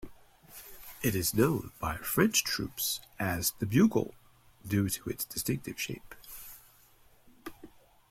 It is known by French troops as "The Bugle" due to its distinctive shape.